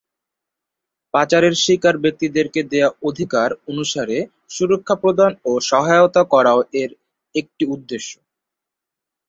পাচারের শিকার ব্যক্তিদেরকে দেয়া অধিকার অনুসারে সুরক্ষা প্রদান ও সহায়তা করাও এর একটি উদ্দেশ্য।